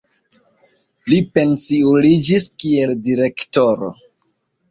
Li pensiuliĝis kiel direktoro.